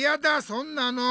そんなの！